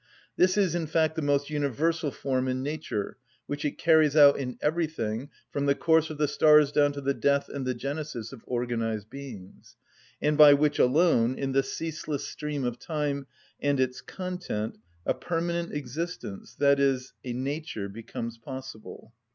This is, in fact, the most universal form in nature, which it carries out in everything, from the course of the stars down to the death and the genesis of organised beings, and by which alone, in the ceaseless stream of time, and its content, a permanent existence, i.e., a nature, becomes possible.